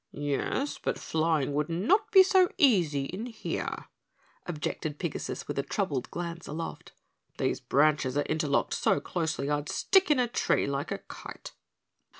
"Yes, but flying would not be so easy in here," objected Pigasus with a troubled glance aloft, "these branches are interlocked so closely I'd stick in a tree like a kite."